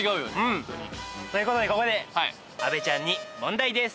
ホントに。ということでここで阿部ちゃんに問題です。